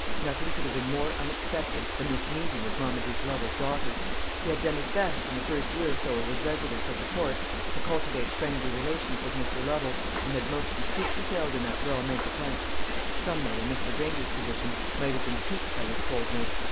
Nothing could have been more unexpected than this meeting with Marmaduke Lovel's daughter. He had done his best, in the first year or so of his residence at the Court, to cultivate friendly relations with Mr. Lovel, and had most completely failed in that well meant attempt. Some men in Mr. Granger's position might have been piqued by this coldness.